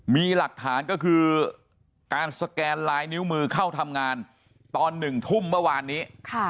มีหลักฐานก็คือการสแกนลายนิ้วมือเข้าทำงานตอน๑ทุ่มเมื่อวานนี้